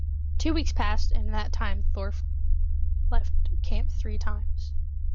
Two weeks passed, and in that time Thorpe left camp three times.